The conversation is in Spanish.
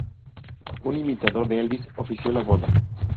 Un imitador de Elvis ofició la boda.